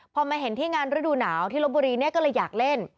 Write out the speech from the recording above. พอมาเห็นที่งานฤดูหนาวที่ลบบุรีเนี่ยก็เลยอยากเล่น